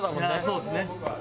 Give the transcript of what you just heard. そうですね。